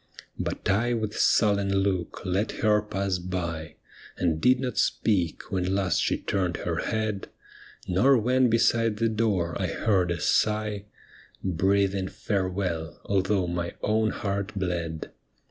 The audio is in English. But I with sullen look let her pass by. And did not speak when last she turned her head. Nor when beside the door I heard a sigh Breathing farewell, although my own heart bled.